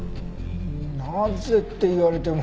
なぜって言われても。